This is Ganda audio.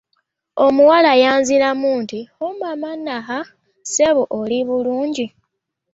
Omuwala yanziramu nti, “Hmmmnh! Ssebo, oli bulungi?"